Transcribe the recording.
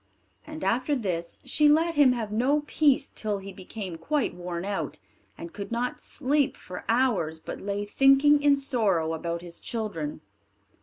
And after this she let him have no peace till he became quite worn out, and could not sleep for hours, but lay thinking in sorrow about his children.